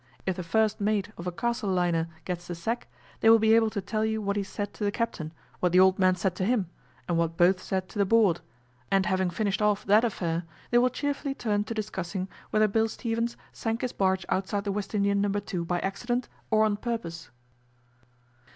If the first mate of a Castle Liner gets the sack they will be able to tell you what he said to the captain, what the old man said to him, and what both said to the Board, and having finished off that affair they will cheerfully turn to discussing whether Bill Stevens sank his barge outside the West Indian No.2 by accident or on purpose.